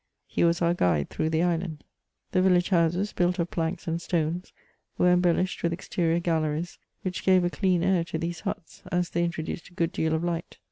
He was our guide through the island. The village houses, built of planks and stones, were embel lished with exterior galleries, which gave a dean air to these huts, as they introduced a good deal of light.